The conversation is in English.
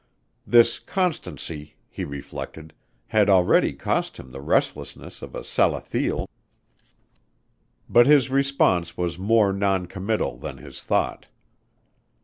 This constancy, he reflected, had already cost him the restlessness of a Salathiel, but his response was more non committal than his thought.